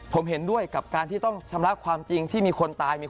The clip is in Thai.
ผมเห็นด้วยกับการที่ต้องชำระความจริงที่มีคนตาย